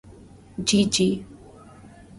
جی جی۔